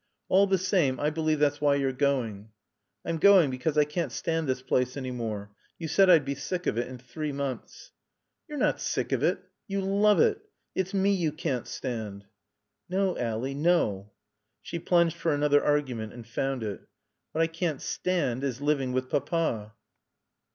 "All the same I believe that's why you're going." "I'm going because I can't stand this place any longer. You said I'd be sick of it in three months." "You're not sick of it. You love it. It's me you can't stand." "No, Ally no." She plunged for another argument and found it. "What I can't stand is living with Papa."